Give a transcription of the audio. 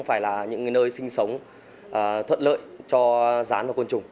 phải là những nơi sinh sống thật lợi cho rán và côn trùng